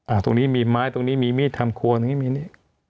ตรงนี้มีไม้ตรงนี้มีมีดทำครัวตรงนี้มีนี่